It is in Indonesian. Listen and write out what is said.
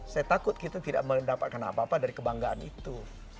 saya takut kita tidak mendapatkan apa apa dari kebanggaan itu